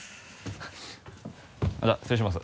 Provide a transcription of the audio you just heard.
じゃあ失礼します。